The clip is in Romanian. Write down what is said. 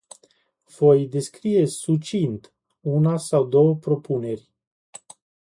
Voi descrie succint una sau două propuneri.